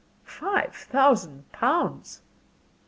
"Five thousand pounds!"